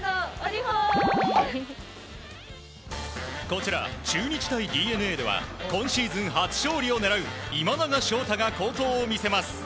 こちら、中日対ＤｅＮＡでは今シーズン初勝利を狙う今永昇太が好投を見せます。